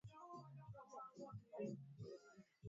Penzi litawachoma sana